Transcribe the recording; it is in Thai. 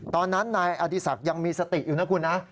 ตอนนั้นนายอดีศักดิ์ยังมีสติอยู่นะคุณนะ